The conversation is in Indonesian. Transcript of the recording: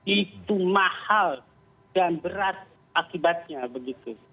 itu mahal dan berat akibatnya begitu